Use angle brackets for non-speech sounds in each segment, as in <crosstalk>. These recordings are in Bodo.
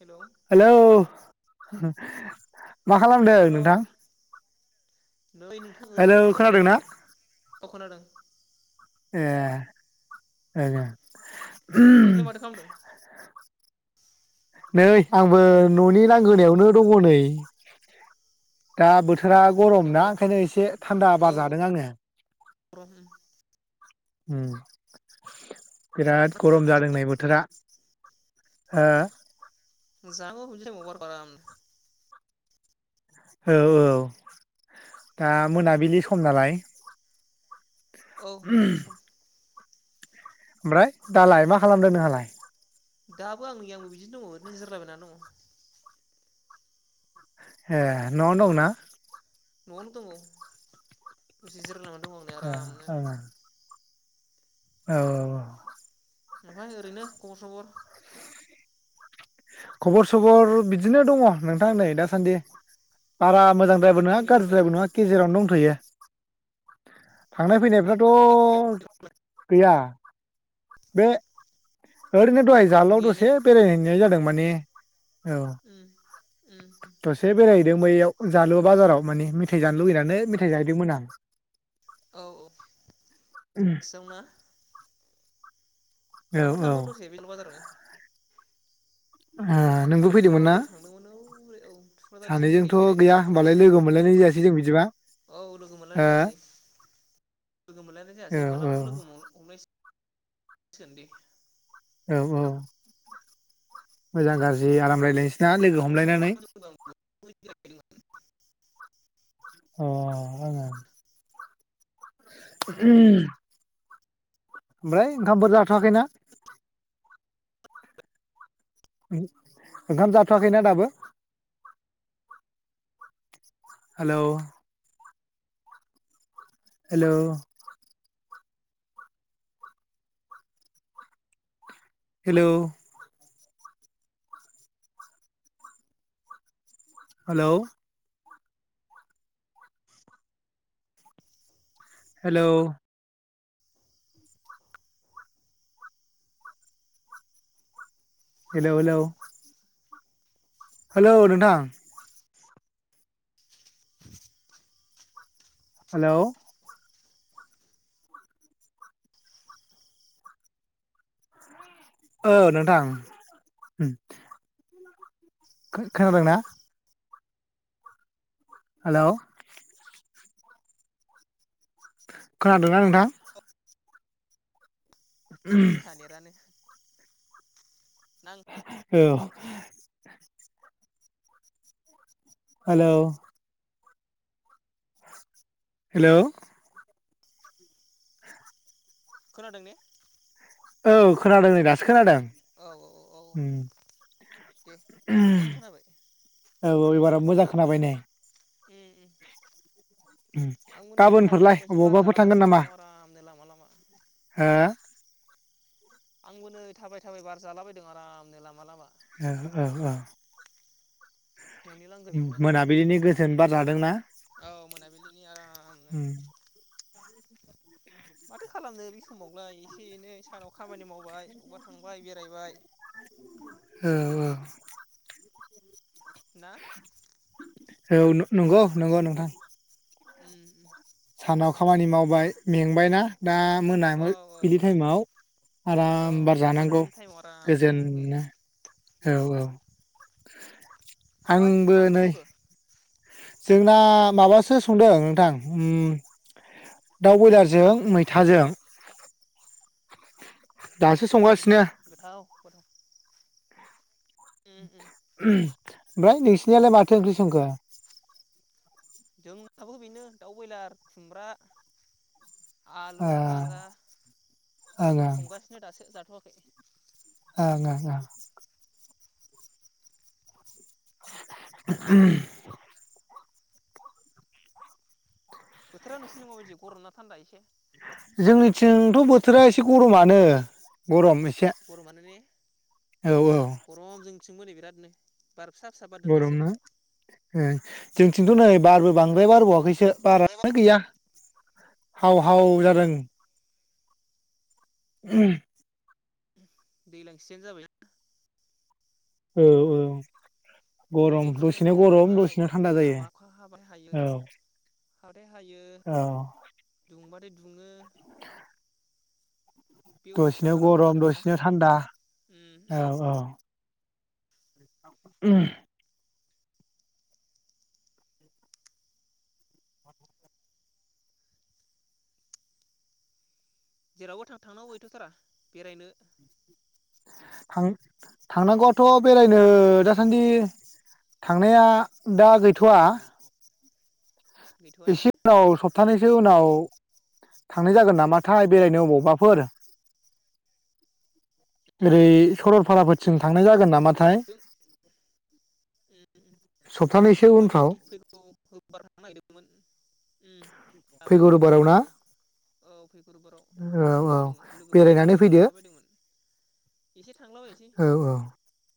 हेलौ हेलौ <inaudible> मा खालामदों हेलौ नोंथां? नै नोंथां हेलौ ओरैनो दं जिरायला खोनादोंना बायनानै। अ खोनादों। ए ए नोंलाय <unintelligible> माथो खालामदों नै आंबो न'नि लांगोनायावनो दङ' नै दा बोथ थोरा नोंथां ग'रम होनायाव ना ने ओंखायनो एसे थान्दा बारजादों आङो। गरम उम। बिराद ग'रम जादों नै बोथोरा। हो? <unintelligible> औ औ दा मोनाबिलि सम नालाय। औ मोना बे सम। ओमफ्राय दालाय मा खालामदों नोंहालाय? दाबो आंनि आंबो बिदिनो दङ' ओरैनो जिरलाबायना दङ। ' ए न'आवनो दं ना? न'आवनो दंङ' दसे जिराय <unintelligible> ओ ओ औ औ औ। ओमफ्राय ओरैनो ख खबर खबर सबर बिदिनो दङ' नोंथां नै दासान्दि। बारा उम मोजांद्रायबो थांलाय नङा फैलायफ्रालाय गाज्रिद्रायबो नङा गेजेरावनो दं। <unintelligible> थांनाय फैनाय थांलाय फोराथ' गैया। बे एरैनो दहाय जालाव गैया ने दसे बेरायहैनाय जादों। माने औ। उम उम दसे बेराय दों बैयाव जालु बाजाराव माने मेथाइ जानो लुुबैनानै मेथाइ जाहैदोंमोन आं औ औ हारसिंना? औ आंबो ओ थांदोंमोन दसे बेल बाजारावनो अ फुङावबो ओरै थांदोंमोन औ ओरै औ थुक्राझारथिं ओरै सानैजोंथ' गैया बेरायलाबाय होमबालाय फुङावबो लोगो मोनलायनाय जायासै जों बिदिबा औ लोगो मोनलायनाय हो जायासै। लोगो मोनलायनाय औ जायासै औ मालाबाफोर लोगो हम हमनायसै सोरनि? औ औ मोजां गाज्रि आराम राय नोसै ना लोगो हमलायनानै? अ <unintelligible> ओमफ्राय ओंखामफोर जाथ'वाखैना? ओंखाम जाथ'वाखैना दाबो? हेल' हेल' हेल' हेल' हेल' हेल' हेल' हेल' नोंथां। हेलौ। औ नोंथां होम। खो खोनादोंना? हेल' खोनादोंना नोंथां? <unintelligible> नां औ हेल' हेल' <inaudible> खोनादों ने? औ खोनादों नै दासो खोनादों? औ औ औ उम दे एबार मोजां खोनाबाय औ एबारा मोजां खोनाबाय ने? ओम ओम आंबो नै थाबाय गाबोनफोरलाय थाबायसो बार अबावबाफोर थांगोन जालागासिनो नामा दङ आरामनो लामा लामा हो आंबो नै थाबाय थाबाय बार जालाबायदों आरामनो लामा लामा। औ औ औ। न'नि लांगोनायावनो मोनाबिलिनि गोजोन बार जादोंना औ मोनाबिलिनि आरामनो। माथो खालामनो बे समावलाय एसे एनै सानाव। खामानि मावबाय अबावबा थांबाय बेरायबाय। औ ना। औ नं नंगौ नोंथां। उम उम। सानाव खामानि मावबाय मेंबायना। दा औ मोनामो औ बिलि टाइमाव औ आराम बार जानांगौ मोनाबिलि टाइमाव आराम गोजोन थानो लुगैयो नो औ औ। <inaudible> ओमफ्राय आंबो मा ओंख्रि नै संखो जोंना माबासो संदों नोंथां ओम दाउ बयलारजों मैथाजों। दासो उम संगासिनो। गोथाव गोथाव उम उम। ओमफ्राय नोंसिनियालाय माथो ओंख्रि संखो। जोंनाबो बेनो दाउ बयलार खुमब्रा। आलु भाजा ओं संगासिनो दासो जाथ'वाखै। ओं ओं ओं। <unintelligible> बोथोरा नोंसिनि माबादि गरम ना थान्दा एसे। जोंनिथिंथ' बोथोरा एसे गरमानो गरम। एसे गरमानो ने। औ औ। सोंमोनै बिरादनो बार फिसा फिसा बारदों दासो। जोंथिन्थ' नै बारबो बांद्राय बारबावाखै। बेसो बारानो गैया हाव उम हाव उम जादों। <unintelligible> दैलां सिजोन जाबाय औ औ। गायनाय गरम फुनाय दसेनो बोथोर गरम जाबाय दसेनो थान्दा जायो हाबा अखा हाबाथाय हायो औ। <inaudible> औ <inaudible> बे अबस्थायाव दसेनो जाना दं गरम आरोना दसेनो थान्दा उम औ उम औ उ <inaudible> थां थांनांगौआथ' बेरायनो दासान्दि थांनाया दा गैथ'वा गैथ'आ ने एसे स सप्थानैसो उनाव थांनाय जागोन नामाथाय बेरायनो अबावबाफोर उम ओरै उम उम सरलपाराफोरथिं थांनाय जागोन नामाथाय जों उम सप्तानैसो जोंबो नै उनफ्राव फैगौ रबिबार थांनो नागिरदोंमोन फैगौ रबिबाराव ना औ औ बेरायनानै फैदो <inaudible> औ औ <inaudible>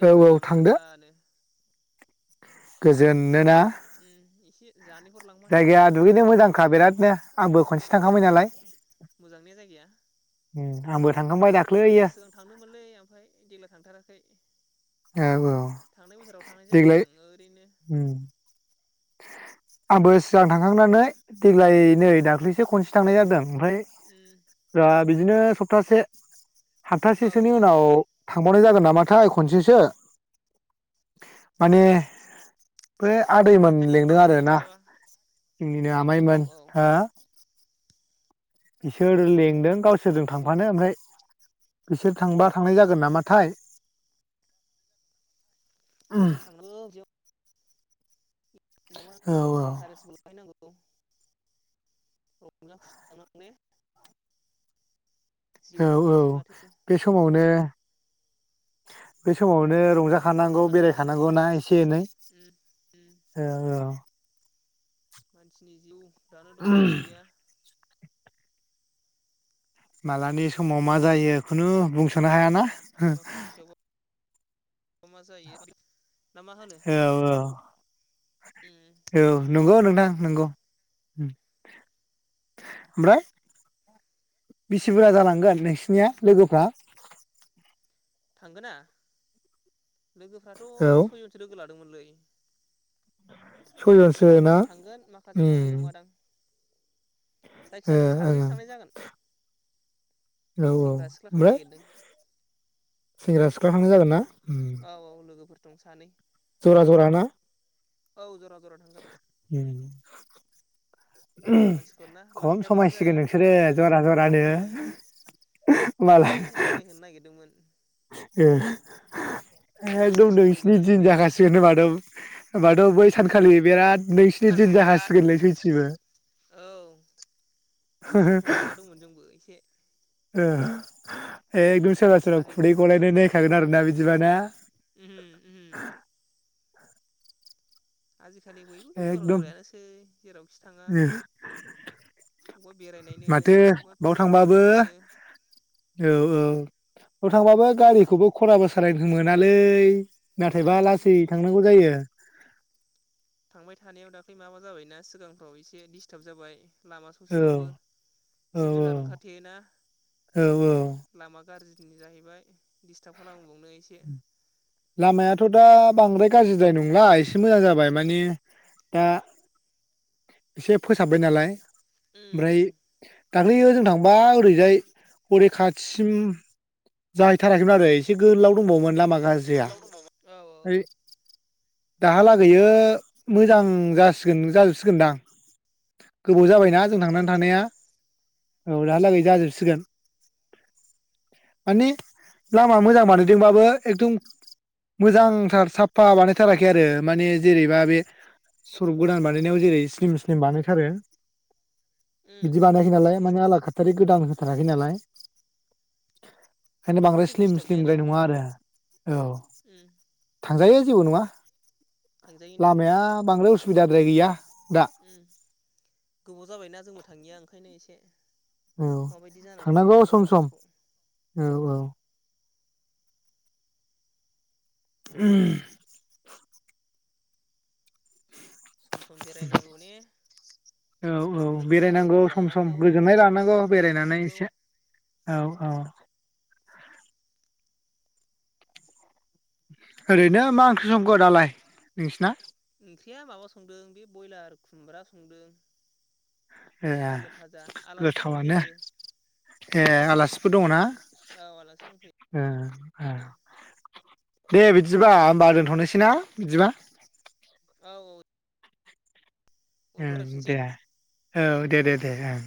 औ औ गोजोनोना दुगैनो मोजांखा <inaudible> बिरादनो आंबो खनसे थांखांबाय नालाय <inaudible> आबो <inaudible> औ औ थांनाय बोसोराव थांनाय जायाखै देग्लाय आं ओरैनो <inaudible> आंबो सिगां थांखांनानै देग्लाय नै दाख्लैसो खनसे थांनाय जादों ओमफ्राय उम द बिदिनो सप्तासे औ हान्थासेसोनि औ उनाव थांबावनाय जागोन नामाथाय खनसेसो माने बो आदैमोन लिंदों आरो थांदो ना मालाबा जोंनिनो औ आमाइमोन औ हो बिसोर लेंदों गावसोरजों थांफानो ओमफ्राय बिसोर थांबा थांनाय जागोन नामाथाय <inaudible> औ <inaudible> <inaudible> औ जिउआव औ बेनोसै माथो बे समावनो <inaudible> रंजाखानांगौ बेरायखानांगौ ना एसे एनै औ औ <inaudible> मालानि समाव मा जायो खुनु बुंस'नो हाया ना? लामा ससेयावबा मा जायो ना मा होनो औ उम औ औ नंगौ नोंथां नोंगौ। उम ओमफ्राय बेसि बुरजा जालांगोन नोंसिनिया लोगोफ्रा? थांगोना? औ लोगोफ्राथ' सयजनसो लोगो लाद दोमोनलै। सयजनसो ना माखासे थांगोन माखासे थांनाय उम नोङा दां। ओ जायखिजाया जों साब्रैसो ओं थांनाय जागोन। औ औ सेंग्रा सिख्ला थांनो ओमफ्राय? नागिरदों सेंग्रा सिख्ला थांनाय जागोन ना? उम औ औ लोगोफोर। दं सानै। ज'रा ज'रा ना? औ ज'रा। जरा थांगोन उम। हिनजाव मानसिफोरना खम लांफायाबाबो समायसिगोन जाया नोंसोरो जरा जरानो होम बिदिनो एसे समाय होनो नागिरदोंमोन। ए। <unintelligible> नायनोसै समायबोना समायबोआ बै सानखालि बिराद। नोंसिनि दिन जाखासिगोनलै सयथिबो। औ। बे समखौ नेना दंमोन जोंबो एसे। ओ। एकदम सोरबा इन्टारेस्ट सोरबा लाहैनो खुदै गलायनाय नायखागोन आरो। ना बिदिबा ना? उमहु उमहु। आजि खालि बयबो ज'रा एकदम ज'रायानोसै जेरावखि थाङा ओ बबा बेरायनायनो माथो अबा बाव फिसिग्रि जानायनो। ओ बाव थांबाबो गारिखौबो खरा मोसायनो मोनालै। नाथायबा उम लासै उम थांनांगौ जायो। थांबाय थानायाव दाख्लै माबा जाबायना सिगांथाव एसे डिस्थाब जाबाय। लामा औ स'सेयावबो औ जिब-जुनार औ ओंखारथेयो ना औ औ लामा गारजि जाहैबाय दिस्थाब खालामबावनो एसे। लामायाथ' दा बांद्राय गारजिद्राय नंला एसे मोजां जाबाय माने दा एसे फोसाबाय नालाय उम ओमफ्राय उम दाख्लैयो जों थांबा ओरैजाय अरे खाथिसिम जाहैथाराखै बारै आरो एसे गोलाव दंबावोमोन लामा लाजिया उम औ ओइ दाहालागैयो मोजां जासिगोन जाजोबसिगोनदा गोबाव जाबायना जों थांनानै होनगोन थानाया ने औ दाहालागै उम जाजोबसिगोन माने लामा मोजां बानायदोंबाबो एकदम मोजांथार साफा बानायथाराखै आरो माने जेरैबा बे सरप गोदान बानायनायाव जेरै स्लिम सिम बानायथारो उम बिदि उम बानायाखै नालाय माने आला खाथारि गोदान थानाखि नालाय खायनो होनबाबोथ' बांद्राय जेबो स्लिम दिस्टार्ब गैयाना स्लिमद्राय नङा आरो औ उम थांजायो जेबो नङा थांजायो ने लामाया बांद्राय उस सुबिदाद्राइ गैया दा उम गोबाव जाबायना जोंबो थाङिया ओंखायनो एसे ए औ थांनांगौ सम सम औ औ <unintelligible> सम सम बेरायनांगौ ने औ औ लोंनांगौ बेरायनांगौ सम सम जानांगौ गोजोननाय लानांगौ इन्टारेस्ट बेरायनानै लानांगौ एसे औ औ ओरैनो मा ओंख्रि संखो दालाय नोंसिना? ओंख्रिया माबा संदों बे बयलार खुमब्रा संदों ए आलु भाजा आलासिफोर गोथावानो दंफैयो ए आलासि फोर दङ ना औ आलासि दंफैयो ओ ओ दे बिदिबा होमबा दोनथ'नोसै ना बिदिबा औ। उनफ्राव ओं रायलायफिनसै दे औ दे दे दे ओं